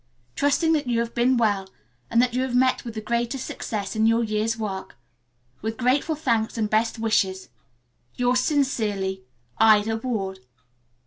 Trusting that you have been well and that you have met with the greatest success in your year's work. With grateful thanks and best wishes. "Yours sincerely, "IDA WARD."